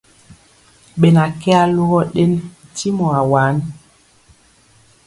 Ɓena kɛ alogɔ ɗen ntimɔ awaan ?